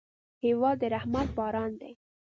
هېواد د رحمت باران دی.